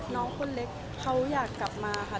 น้องคนเล็กเขาอยากกลับมาค่ะ